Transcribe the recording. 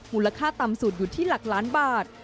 มูลค่าต่ำสุดอยู่ที่หลักล้านบาท